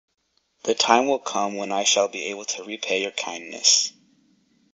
The time will come when I shall be able to repay your kindness.